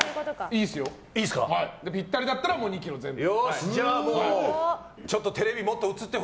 ぴったりだったら２ｋｇ全部。